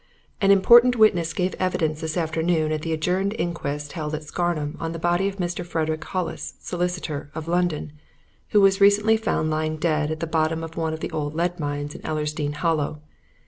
"'An important witness gave evidence this afternoon at the adjourned inquest held at Scarnham on the body of Mr. Frederick Hollis, solicitor, of London, who was recently found lying dead at the bottom of one of the old lead mines in Ellersdeane Hollow.